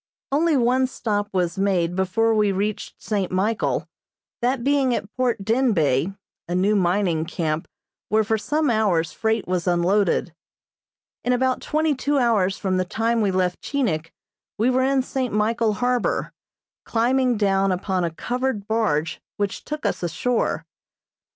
Only one stop was made before we reached St. Michael, that being at Port Denbeigh, a new mining camp where for some hours freight was unloaded. In about twenty two hours from the time we left Chinik we were in St. Michael harbor, climbing down upon a covered barge which took us ashore.